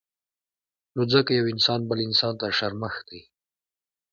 نو ځکه يو انسان بل انسان ته شرمښ دی